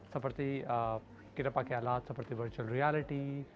seperti kita pakai alat seperti virtual reality